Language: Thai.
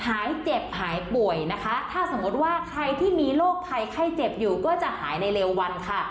หายเจ็บหายป่วยนะคะถ้าสมมติว่าใครที่มีโรคภัยไข้เจ็บอยู่ก็จะหายในเร็ววันค่ะ